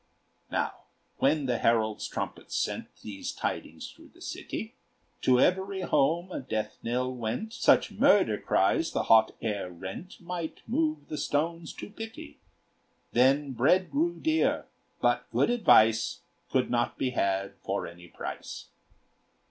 Now, when the herald's trumpet sent These tidings through the city, To every house a death knell went; Such murder cries the hot air rent Might move the stones to pity. Then bread grew dear, but good advice Could not be had for any price.